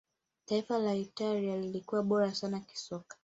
taifa la italia lilikuwa bora sana kisoka